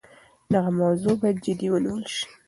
دغه موضوع باید جدي ونیول سي.